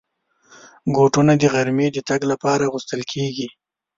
بوټونه د غرمې د تګ لپاره اغوستل کېږي.